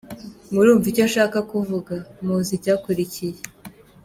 “Murumva icyo nshaka kuvuga” muzi icyayikurikiye.